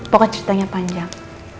pokoknya ceritanya panjang